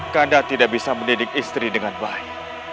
kanda tidak bisa mendidik istri dengan baik